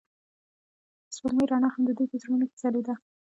د سپوږمۍ رڼا هم د دوی په زړونو کې ځلېده.